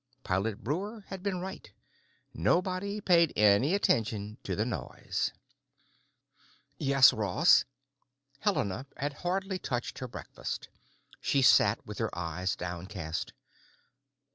Pilot Breuer had been right. Nobody paid any attention to the noise. "Yes, Ross." Helena had hardly touched her breakfast; she sat with her eyes downcast.